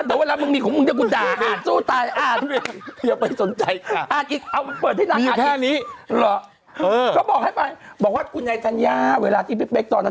ตะเวลามึงมีของมึงจะกุดด่าอ่านสู้ตายอ่าน